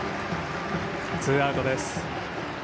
ツーアウトです。